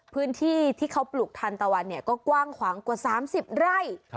พื้นที่ที่เขาปลูกทันตะวันเนี่ยก็กว้างขวางกว่า๓๐ไร่